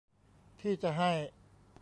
ที่จะให้